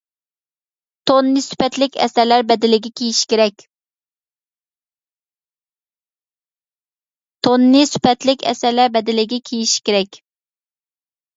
توننى سۈپەتلىك ئەسەرلەر بەدىلىگە كىيىش كېرەك.